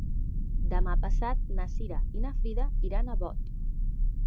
Demà passat na Cira i na Frida iran a Bot.